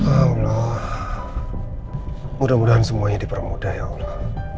alhamdulillah mudah mudahan semuanya dipermudah ya allah